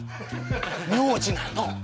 名字なの。